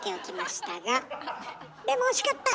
でも惜しかった。